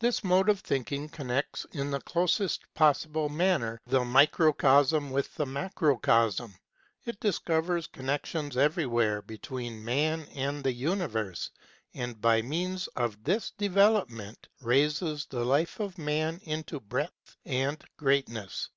This mode of thinking connects, in the closest possible manner, the microcosm with the macrocosm; it discovers connections everywhere between man and the universe, and by means of this development raises the life of man into breadth and great ness.